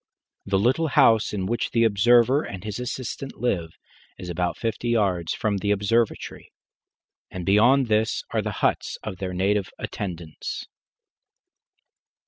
The little house in which the observer and his assistant live is about fifty yards from the observatory, and beyond this are the huts of their native attendants.